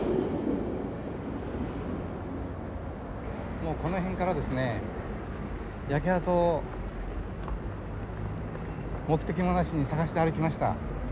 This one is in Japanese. もうこの辺からですね焼け跡を目的もなしに探して歩きました。